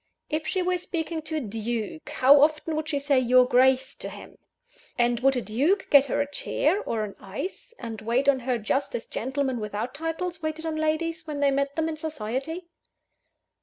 If she were speaking to a duke, how often would she say "your Grace" to him? and would a duke get her a chair, or an ice, and wait on her just as gentlemen without titles waited on ladies, when they met them in society?